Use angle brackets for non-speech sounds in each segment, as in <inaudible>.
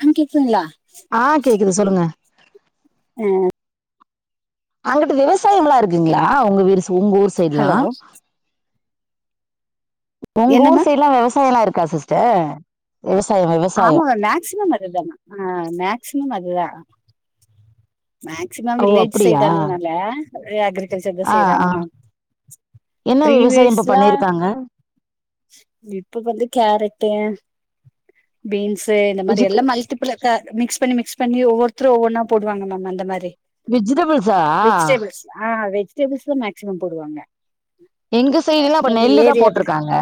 அங்க கேக்துங்களா ஆ கேக்குது சொல்லுங்க ஆ அங்ட்டு விவசாயம்லா இருக்குங்களா உங்க வீர் சு உங்க ஊர் சைட்லா ஹலோ உங்க என்ன ஊர் மேம் சைட்லா விவசாயல்லா இருக்கா சிஸ்டர் விவசாயொ விவ ஆமா வ மேக்சிமம் அதுதானா ஆ மேக்சிமம் அதுதா மேக்சிமம் ஓ வில்லேஜ் அப்படியா சைட் அன்றதுனால ஒரே அக்ரிகல்ச்சர் தா ஆ செய்றாங்க ஆ மேம் என்ன விவசாயம் இப்ப பீரிவியஸ்லா பண்ணிருக்காங்க இப்ப வந்து கேரட்டு பீன்ஸு இந்த மாரி வெஜிட எல்லா மல்டிபிள் கா மிக்ஸ் பண்ணி, மிக்ஸ் பண்ணி ஒவ்வொருத்தரு ஒவ்வொன்னா போடுவாங்க மேம் ன்னு அந்த மாரி விஜிடபிள்ஸா ஆ வெஜிடபிள்ஸ் தா மேக்சிமம் போடுவாங்க எங்க சைடுலா இப்ப எங்க நெல்லுதா ஏரியா பி போட்ருக்காங்க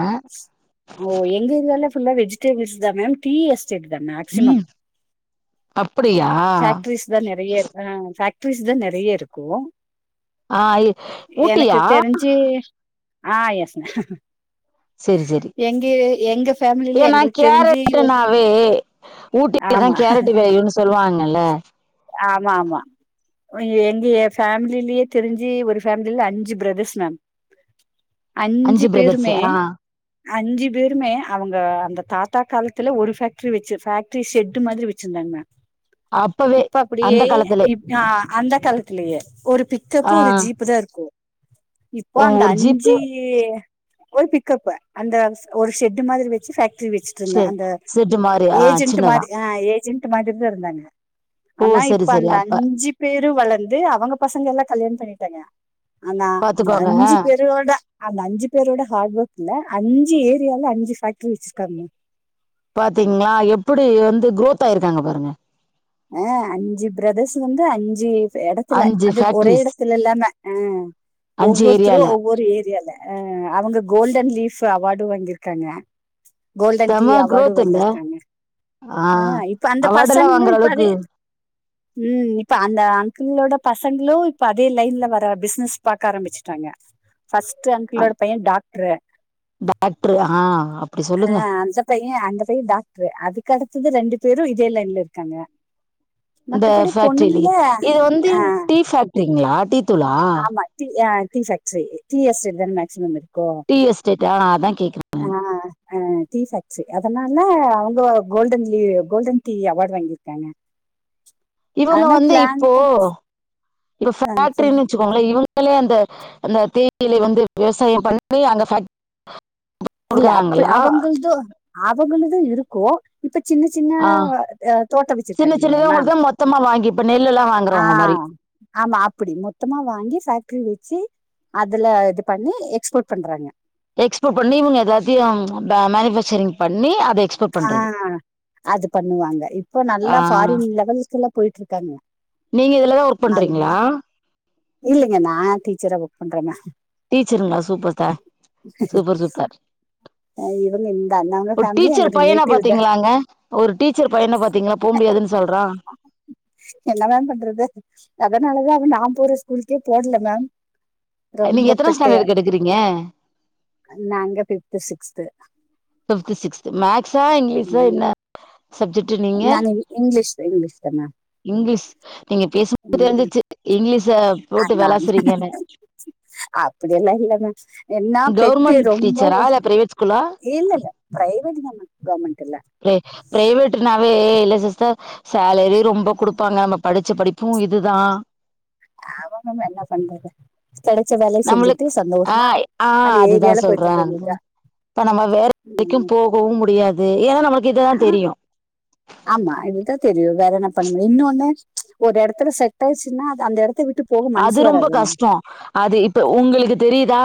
ஓ எங் ந்த ஏரியல ஃபுல்லா வெஜிடேபிள்ஸ் தா மேம் தீ எஸ் செட் தா மேக்சிமம் அப்படியா ஃபேக்ட்ரிஸ் தா நிறைய இருக்கு ஆ இ- எனக்கு ஊட்டியா தெரிஞ்சு ஆ எஸ் மேம் ஃபேமிலில ஏன்னா எங்களுக்கு தெரிஞ்சு கேரட்னாவே ஊட்டிலதா ஆமா கேரட்டு வெளயுனு சொல்லுவாங்கல்ல மா மா ஒ எஞ்சி எ ஃபேமிலேயே தெரிஞ்சு ஒரு ஃபேமில அஞ்சு பிரதர்ஸ் மேம் அஞ்சி அஞ்சு பிரதர்ஸ் பேருமே ஆ அஞ்சி பேருமே அவங்க அந்த தாத்தா காலத்துல ஒரு ஃபேக்ட்ரி வச்சி ஃபேக் த்ரீ ஷெட்டு மாதிரி வெச்சிருந்தாங்கணா அப்பவே அந்த ஏ காலத்துல ப் ஆ அந்த காலத்துலயே ஒரு பிக்கப்பு ஆ ஒரு ஜீப்பு தா இருக்கு இப்போ ஒ- அந்த ஒரு ஜீப்பு அஞ்சி ய் ஒரு பிக்கப்பு அந்த ஒரு ஷெட்டு மாதிரி வெச்சு ஃபேக்டரி வெச்சு இருந்த செரி அந்த செட்டு மாரி ஆ ஏஜென்ட் சின்னதா மாதி ஆ ஏஜென்ட் மாதிரி தா இருந்தாங்க ஓ ஆனா சரி இப்ப சரி அந்த அப்ப அஞ்சு பேரு வளர்ந்து அவங்க பசங்கல்லா கல்யாண பண்ணிட்டாங்க ஆனா அந்த பாத்துக்கோங்க ஆ அஞ்சு பேரோட அந்த அஞ்சு பேரோட ஹார்ட் ஒர்க்ல அஞ்சு ஏரியால அஞ்சு ஃபேக்டரி வச்சிருக்காங்க பாத்தீங்களா எப்டி வந்து குரோத் ஆயிருக்காங்க பாருங்க அ அஞ்சு பிரதர்ஸ் வந்து அஞ்சு இடத்துல அஞ்சு அது ஒரே ஃபேக்ட்ரிஸ் இடத்துலல்லாம ஆ அஞ்சு ஒவ்வருத்தரு ஏரியால ஒவ்வரு ஏரியால அ அவங்க கோல்டன் லீஃப் அவார்டு வாங்கியிருக்காங்க கோல்டன் தி செம அவார்டு குரோத் இல்ல வாங்கிருக்காங்க ஆ அ இப்ப அந்த அவார்டெல்லா பசங்களு வாங்குற இப்ப அதே அளவுக்கு ம் இப்ப அந்த அங்குள்ளோட பசங்களு இப்ப அதே லைன்ல வர பிஸ்னஸ் பாக்க ஆரம்பிச்சுட்டாங்க ஃபர்ஸ்ட் அங்கிளோட பைய டாக்டரு டாக்டரு ஆ அப்டி ஆ சொல்லுங்க அந்த பைய அந்த பைய டாக்ட்ரு அதுக்கு அடுத்தது ரெண்டு பேரு இதே லைன்ல இருக்காங்க இந்த மத்தபடி ஃபக்ட்ரிலி பொண்ணுங்கள இது வந்து ஆ டீ பேஃக்டரிங்களா டீ துளா ஆமா டீ அ டீ பேஃக்டரி டீ எஸ்டேட் தான மேக்சிமம் இருக்கு டீ எஸ்டேட்டா அதா கேக்குற ஆ அ டீ ஃபேக்டரி அதனால அவங்க கோல்டன் லீ கோல்டன் டீ அவார்டு வாங்கியிருக்காங்க இவங்க ஆனா வந்து பிளான் இப்போ பண் இப்ப ஆ ஃபேக்டரின்னு சொல்லுங்க வெச் வெச்சிகோங்களே இவங்களே அந்த அந்த தேயிலை வந்து விவசாய பண்ணி அங்க ஃபேக்ட் இல்ல அப்டி அவங்கள்து அவங்களுது இருக்கும் இப்ப சின்ன சின்ன ஆ அ தோட்டோ சின்ன வச்சிருக்காங்கலியா சின்னதா மேம் உங்களுக்கு மொத்தமா வாங்கி இப்ப நெல்லெல்லா ஆ வாங்குறவங்க மாரி ஆமா அப்டி மொத்தமா வாங்கி ஃபேக்ட்ரி வச்சி அதுல இது பண்ணி எக்ஸ்போர்ட் பண்றாங்க எக்ஸ்போர்ட் பண்ணி இவங்க எதாச்சு அம் மனு ஃபேக்ச்சக்ரிங் பண்ணி அத எக்ஸ் ஆ அது பண்ணுவாங்க இப்ப ஆ நல்லா ஃபாரின் லவல்க்குல எல்லா போயிட்ருக்காங்க நீங்க இதுலதா ஒர்க் பண்றீங்களா இல்லங்க நா டீச்சரா ஒர்க் பண்றங்க டீச்சருங்களா சூப்பர் தா சூப்பர் சூப்பர் அ இவங்க இந்த அண்ணாங்க ஒரு ஃபேமிலி எங்க டீச்சர் பையன ரிலேட்டிவ் தா பாத்தீங்களாங்க ஒரு டீச்சர் பையன பாத்தீங்களா போ முடியாதுன்னு சொல்றா என்ன தா பண்றது அதனாலதா அவ நா போற ஸ்கூலுக்கே போடுல்ல மேம் நீங்க ரொம்ப எத்தன பெட்டு ஸ்டாண்டர்ட்க்கு எடுக்குறீங்க நாங்க ஃபிஃப்த் சிக்ஸ்து ஃபிஃப்த் சிக்ஸ்து மேக்ஸா இங்கிலீஷஸா ம் என்னா சப்ஜெக்ட் ட் நீங்க நாங்க இங் இங்கிலீஷ் இங்கிலீஷ் தா மேம் இங்கிலீஷ் நீங்க பேசும் போதுல இருந்தே ம் தெரிஞ்சிச்சு இங்கிலீஷ போட்டு விளாசுறீங்கன்னு அப்டிய எல்லா இல்ல மே என்னா பெட்டு கவர்மெண்ட் ரொம்ப டீச்சரா ஒர்ஸ்ட் இல்ல பிரைவேட் ஸ்கூலா இல்ல இல்ல பிரைவேட் தா மேம் கவர்மண்ட் இல்ல பிரே பிரைவேட் நாவே இல்ல சிஸ்டர் சேலரி ரொம்ப குடுப்பாங்க நம்ம படிச்ச படிப்பு இதுதா ஆமா மேம் என்ன பண்றது கெடச்ச வேல செஞ்சுட்டு நம்மளுக் ஆ சந்தோஷமா ஆ அந்த அதுதா ஏரியால போயிட்டு சொல்றே இருக்க வேண்டியதா இப்ப நம்ம வேற க்கு போகவு முடியாது ஏன்னா நமக்கு இதுதா ஆ தெரியு ஆமா இதுதா தெரியு வேற என்ன பண்ண முடியு இன்னொன்னு ஒரு எடத்துல செட் ஆயிச்சுன்னா அது அந்த எடத்த விட்டுப் அது ரொம்ப கஷ்டோ அது இப்ப உங்களுக்கு தெரிதா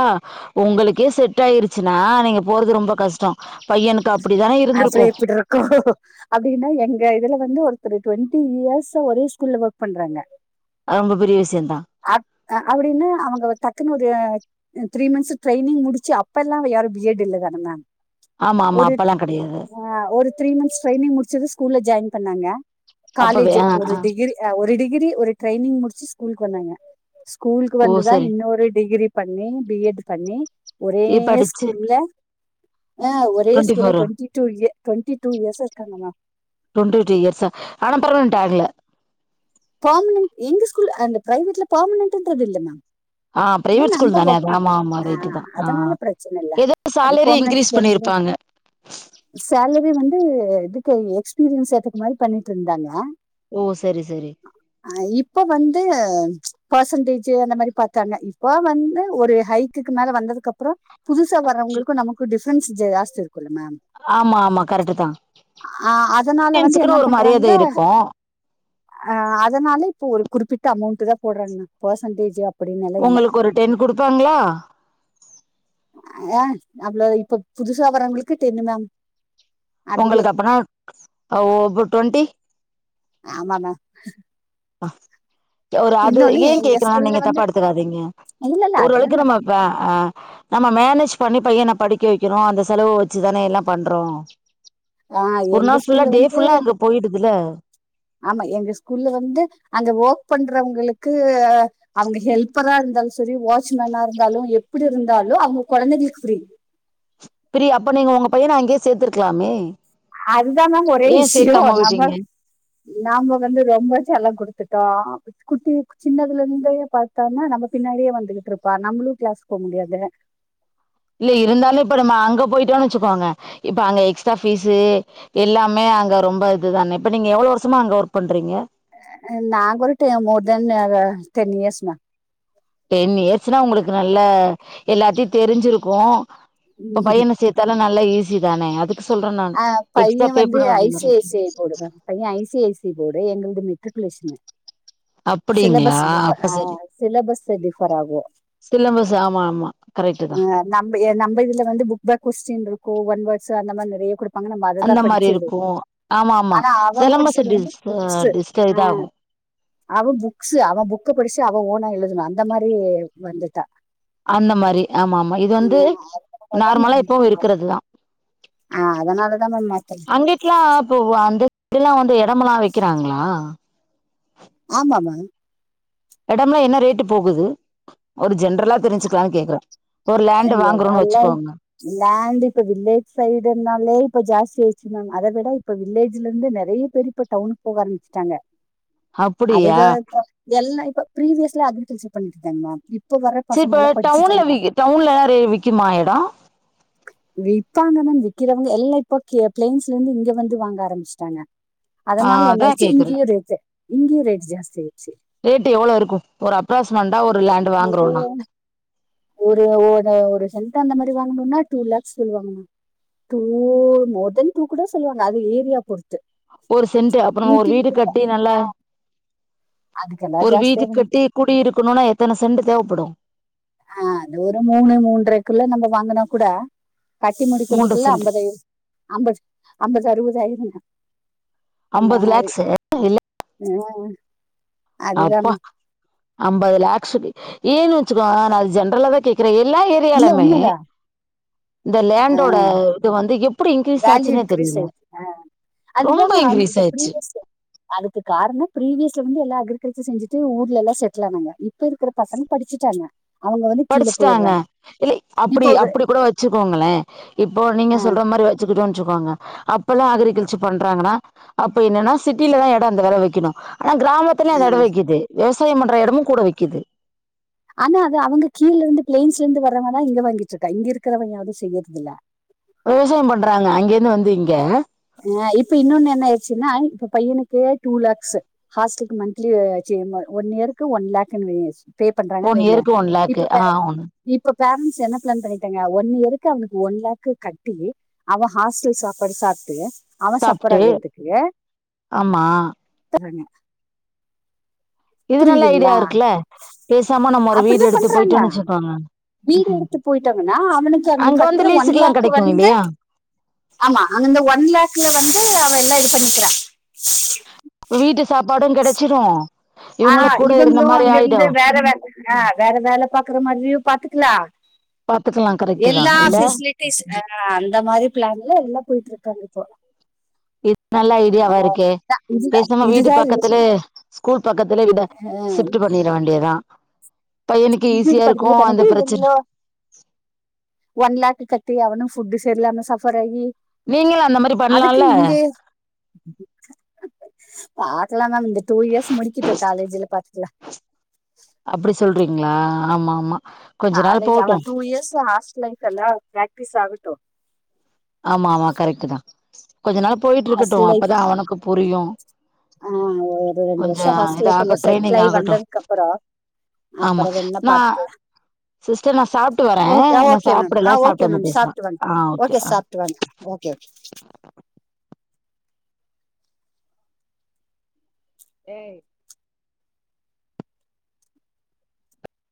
உங்களுக்கே செட் ஆயிருச்சுன்னா நீங்க போறது ரொம்ப கஷ்டோ பையனுக் இப்ப அப்டித்தா இ அப்டிய இப்டிருக்கோ அப்டின்னா எங்க இதுல வந்து ஒருத்தரு டுவெண்ட்டி இயர்ஸ் ஒரே ஸ்கூல்ல ஒர்க் பண்றாங்க அவங்க பெரிய விஷயோதா அக் அப்டின்னு அவங்க டக்குன்னு ஒரு ம் த்ரீ மந்த்ஸ் ட்ரைனிங் முடிச்சு அப்ப எல்லா யாரு பி எட் இல்ல தானே மேம் ஆமா ஆமா அப்பெல்லா கெடையாது ஆ ஒரு த்ரீ மந்த்ஸ் ட்ரைனிங் முடிச்சது ஸ்கூல்ல ஜாயின் பண்ணாங்க அப்பவே காலேஜ் ஆ ஒரு ஆ டிகிரி அ ஒரு டிகிரி ஒரு ட்ரைனிங் முடிச்சு ஸ்கூலுக்கு வந்தாங்க ஸ்கூலுக்கு ஓ வந்துதா சரி இன்னொரு டிகிரி பண்ணி பி எட் பண்ணி ஒரே படிச்சு ஸ்கூல்ல ஆ ஒரே டுவெண்டி ஸ்கூல்ல ஃபோர் டொண்டி டூ இய டெண்டி டூ இயர்ஸா இருக்காங்கங்க டுவெண்டி டூ இயர்ஸா ஆனா பெர்மனன்ட் ஆகல பர்மனன்ட் எங்க ஸ்கூல் அந்த பிரைவேட்ல பர்மனன்டுன்றது இல்ல மேம் ஆ இது பிரைவேட் ஸ்கூல் நம்ம தான அது ஒர்க் பண்ண ஆமா ஆமா ரைட்டுதா ஆ அதனால பிரச்சன இல்ல எதோ அது சாலரி இன்கிரீஸ் பெர்மனன்ட் பண்ணிருப் பாங்க சேலரி வந்து இதுக்கு எக்ஸ்பீரியன்ஸ் ஏத்துக்கு மாரி பண்ணிட்டு இருந்தாங்க ஓ சரி சரி அ இப்ப வந்து பர்சன்டேஜ் அந்த மாரி பாத்தாங்க இப்ப வந்து ஒரு ஹை குக்கு மேல வந்ததுக்கு அப்புறோ புதுசா வர்றவங்களுக்கு நமக்கு டிஃப்ரன்ஸ் ஜாஸ்தி இருக்குல்ல மேம் ஆமா ஆமா கரெக்ட் தா ஆ அதனால வந்து என்ன ஸ்டூடெண்ட்ஸ்க்குன்னு ஒரு மரியாத பண்றாங்க இருக்கு ஆ அதனால இப்போ ஒரு குறிப்பிட்ட அமௌண்ட்டு தா போடுறேண்ணு பர்சன்டேஜு உங்களுக்கு ஒரு டென் குடுப்பாங்ளா ஏ அவ்ளோ இப்ப புதுசா வரவங்களுக்கு டென்னு மேம் அப்டியே உங்களுக்கு அப்பன்னா ஒ அப்ப டுவென்டி ஆமா மா ஆஹ கு ஒரு அது ஏ எங்க கேக்குறே ஸ்கூல்ல நீங்க வந்து தப்பா எடுத்துக்காதீங்க இல்ல இல்ல அதெல்லா ஓரளக்கு நம்ம நடக்குது ஆ ஆ நம்ம மேனேஜ் பண்ணி பையன படிக்க வைக்குரு அந்த செலவு வெச்சுதானே எல்லா பண்றோ ஆ ஒரு எங்க நாள் ஃபுல்லா ஸ்கூல்ல டே வந்து ஃபுல்லா அங்க போயிடுதுல்ல ஆமா எங்க ஸ்கூல்ல வந்து அங்க ஒர்க் பண்றவங்களுக்கு அவங்க ஹெல்பரா இருந்தாலு சரி வாட்ச்மேனா இருந்தாலு எப்டி இருந்தாலு அவங்க கெழந்தைக்கு ஃப்ரீ பிரி அப்ப நீங்க உங்க பையன அங்கயே சேத்துருக்கலாமே அதுதா மேம் ஒரே விஷ்யோ நம்ம விட்டீங்க நாங்க வந்து ரொம்ப செல்ல குடுத்துட்டோ குட்டி சின்னதுல இருந்தே பாத்தானா நம்ம பின்னாடியே வந்துகிட்ருப்பா நம்பளு கிளாஸ் போ முடியாது இல்ல இருந்தாலு இப்ப நம்ம அங்க போயிட்டோன்னு வெச்சுக்கோங்க இப்ப அங்க எக்ஸ்ட்ரா ஃபீஸு எல்லாமே அங்க ரொம்ப இதுதானே இப்ப நீங்க எவ்ளோ வருஷமா அங்க ஒர்க் பண்றீங்க நாங்க ஒரு டே மோ தென் அத டென் இயர்ஸ் ம டென் இயர்ஸ்னா உங்களுக்கு நல்ல எல்லாத்தையு தெரிஞ்சிருக்கு இப்ப பையன சேத் தாலு நல்லா ஈஸி தானே அதுக்கு சொல்றே நானு எக்ஸ்ட்ரா பே பண்ண வேண்டியது வரு பையெ ஐசி ஐசி போர்டு எங்கள்து மெட்ரிகுலேஷனு அப்படிங்களா சிலபஸ் டிஃப அப்ப ஆ சிலபஸ்ஸு டிஃப்ஃபர் ஆகு சிலபஸு ஆமாமா கரெக்ட்டு அ நம்ப எ நம்ப இதுல வந்து புக் பேக் கொஸ்டின்ருக்கு ஒன் வேட்ஸ்சு அந்த மாரி நெறைய குடுப்பாங்க நம்ப அது தா அந்த மாரி படிச்சி எழுதுனோ இருக்கும் ஆமா ஆமா ஆனா அவ சிலம்பஸ் படிச்சது வந்து டிஸ் புக்ஸு டிஸ்ட ஆ இதாகும் அவ புக்ஸு அவ புக்க படிச்சு அவ ஓனா எழுதனு அந்த மாரி வந்துட்டா அந்த மாரி ஆமாமா இது ஆ வந்து அதனாலதா நார்மலா மேம் இப்பவு இருக்கறது தா ஆ அதனால தா மேம் மாத்தறே க்லா போவோ அந்த <inaudible> ல்ல வந்து எடமெல்லா விக்குறாங்ளா ஆமா மேம் எடம்ல்லா என்ன ரேட்டு போகுது ஒரு ஜென்ரலா தெரிஞ்சுக்லான் கேக்கறே ஒரு லேண்டு் வாங்கறோன் எல்லா வெச்சுக்கோங்க லேண்ட் இப்ப வில்லேஜ் சைடுன்னாலே இப்ப ஜாஸ்தி ஆய்ர்ச்சு மேம் அத விட இப்ப வில்லேஜ்லர்ந்து நெறைய பேரு இப்ப டவுனுக் போக ஆரம்பிச்ட்டாங்க அப்டியா அதுதா இப்ப எல்லா இப்ப பிரீவியஸ்ல அக்ரிகல்ச்சர் பண்ணீட்ருந்தாங் மேம் இப்ப வர சரி இப்ப பசங்கல்லா படிச்சிட்டாங்க வி டவுன்ல ரே விக்குமா எடோ விப்பாங்கன் என்ன விக்கிறவ்ங்க எல்லா இப்போ கே ப்ளைன்ஸ்லர்ந்து இங்க வந்து வாங்க ஆரம்பிஸ்ட்டாங்க ஆ அதனால அதா என்னாய்ர்ச்சு கேக்குறே இங்கயு ரேட்டு இங்கயு ரேட் ஜாஸ்தி ஆய் ரேட்டு் எவ்ளோ இருக்கு ஒரு அப்ரக்ஸ்மெண்டா ஒரு லேண்டு் வாங்கறோன்னா ஒரு ஒரு ஒரு சென்ட் அந்த மாரி வாங்ணுன்னா டூ லேக்ஸ் சொல்வாங்க மேம் டூ மோர்தென் டூ கூட சொல்லுவாங்க அது ஏரியா பொறுத்து ஒரு சென்ட்டு அப்ப நா ஒரு வீடு இன்டீரியர் கட்டி நல்லா அதுக்கெல்லாம் ஒரு ஜாஸ்தி வீடு ஆகும் கட்டி குடியிருக்கணுனா எத்தன செண்டு தேவப்படு ஆ அது ஒரு மூணு மூன்ரைக்குள்ள நம்ம வாங்குனா கூட கட்டி மூன்ற முடிக்கற்துக்குள்ள சென்ட்டு அந்த ரே அம்பது அம்பது அறுவது ஆய்ருங்க அந்தா அம்பது மாரி லேக்ஸு இல்ல ம் அதுதான் அப்பா அம்பது லேக்ஸுடி ஏன்னு வெச்சுக்கோ நா அது ஜென்ரலா தா கேக் க்கிற எல்லா இல்ல ஏரியாலுமே உண்மைதான் இந்த லேண்டோட இது வந்து எப் வேல்யூ இன்க்ரீஸ் ஆய்ர்ச்சு மேம் அதுதா ரொம்ப மேம் இன்க்ரீஸ் இப்ப ஆயிடுச்சு ப்ரீவியஸு அதுக்கு காரணோ ப்ரீவியஸ்ல வந்து எல்லா அக்ரிகல்ச்சர் செஞ்சிட்டு ஊர்ல எல்லா செட்டில் ஆனாங்க இப் ப இருக்கிற பசங்க படிச்சிட்டாங்க படிஸ்ட்டாங்க இல்ல அப்பிடி இப்போ ஒரு அப்பிடி கூட வச்சுக்கோங்களே இப்போ நீங்க ஆஹ் சொல்ற மாரி வச்சிக்கிட்டோன் வச்சிக்கோங்க அப்பல்லா அகிரிகல்ச்சர் பண்றாங்கனா அப்ப என்னன்னா சிட்டில தா எடோ அந்த வெல விக்கணு ஆனா கிராமத் துல அந்த எடோ ஆஹ் விக்கிது விவசாய பண்ற எடமு கூட விக்கிது ஆனா அது அவுங்க கீழர்ந்து ப்ளையன்ஸ்லர்ந்து வரவங்கதா இங்க வாங்கிட்ருக்கா இங்க இருக்கறவ யாரு செய்யற்தில்ல விவசாயோ பண்றாங்க அங்கேர்ந்து வந்து இங்க ஆ இப்ப இன்னோன்னு என்னாய்ருச்சுன்னா இப்ப பையனுக்கே டூ லேக்ஸ்சு ஹாஸ்டல்க்கு மன்த்லி சீ ம ஒன் இயர்க்கு ஒன் லேக் இந்த மார் பே பண்றாங்கன் ஒன் வெய்ங்க இயருக்கு ஒன் லேக் இப்ப ஆ பேர ஒன் இப்ப பேரண்ட்ஸ் என்ன பிளான் பண்ணீட்டாங்க ஒன் இயருக்கு அவனுக்கு ஒன் லேக்கு கட்டி அவ ஹாஸ்டல் சாப்பாடு சாப்ட்டு அவ சப்பர் சாப்ட்டு ஆகற்த்துக்கு ஆமா <unintelligible> இது நல்ல ஐடியா புரிதுங்ளா இருக்குல்ல பேசாம நம்ம ஒரு அப்பிடிதா வீடு எடுத்து பண்றாங்க போயிட்டோன்னு வச்சுக்கோங்க வீடு எடுத்து போய்ட்டாங்கன்னா அவனுக்கு அங்க கட்ற வந்து ஒன் லீஸுக்கெல்லாம் லேக்கு கெடைக்கு வந்து இல்லையா ஆமா அங்க அந்த ஒன் லக்ல வந்து அவ எல்லா இது பண்ணிக்கிறா வீட்டு சாப்பாடு கெடச்சிரு அ இவங்களு கூட இருந்த இவங்களு மாரி அங்க ஆயிடு இருந்து வேற வேல அ வேற வேல பாக்குற மாரியு பாத்துக்கலா பாத்துக்கலா கரெக்டு தா இல்ல அ அந்த மாரி ப்ளன்ல உள்ள போய்ட்டு இருக்காங்க இப்போ இது நல்ல ஐடியாவா ஆஹ் இருக்கே இதுதான் இதுதான் பேசாம வீடு இதுதான் பக்கத்துலே ஸ்கூல் பக்கத்துலே வீட ஆஹ் ஷிப்ட்டு பண்ணிர வேண்டியதா பையனுக்கு வீடு ஈஸியா இருக்கு பக்கத்துல அந்த பண்ணிட்டு பிரச்சன இவங்களும் ஒன் லக் கட்டி அவனு ஃபுட் சரியில்லாம சஃபர் ஆகி நீங்களு அந்த மாரி அதுக்கு பண்லால்ல இங்கே பாக்கலா மம் இந்த டூ இயர்ஸ் முடிக்கிட்டு காலேஜ்ல பாத்துக்கலா அப்டி சொல்றீங்ளா ஆமா ஆமா கொஞ்ச நாள் காலேஜ் போட்டு அவ டூ இயர்ஸ் ஆஸ்ட்டல் லைஃப் எல்லா பிரக்டிஸ் ஆகட்டு ஆமாமா கரெக்ட்டு தா கொஞ்ச நாள் போய்ட்டு இருக்கட்டு ஹாஸ்டல் லைஃப் அப்பதா அவனுக்கு புரியு ஆ ஒரு ரெண்டு கொஞ்ச வருஷோ ஹாஸ்டல் இது லைப் எல்லா ஆகட்டு ட்ரைனிங் செட்லாயி ஆகட்டு வந்ததுக்கு அப்பரோ ஆமா அப்பரோ வெண்ணா நா பாத்துக்கலா சிஸ்டர் நா சாப்ட்டு வரே ஓ நா ஓகே மம் சாப்டல ஆ ஓகே சாப்ட்டு வந்து மம் பேசலா சாப்டு வாங்க ஆ ஓகே ஆ சாப்டு வாங்க ஓகே ஏய்